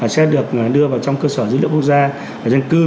sẽ được đưa vào trong cơ sở dữ liệu quốc gia về dân cư